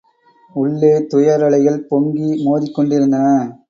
உள்ளே துயரலைகள் பொங்கி மோதிக்கொண்டிருந்தன.